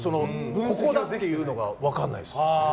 ここだっていうのが分からないです。